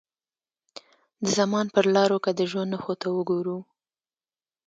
د زمان پر لارو که د ژوند نښو ته وګورو.